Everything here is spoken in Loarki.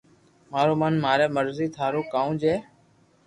مارو من ماري مرزي ٿارو ڪاو جي